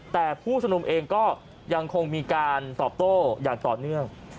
แต่ผู้ชมนุมเองก็ยังคงมีการตอบโต้อย่างต่อเนื่อง